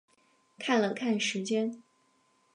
看了看时间